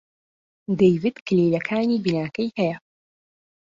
دەیڤد کلیلەکانی بیناکەی هەیە.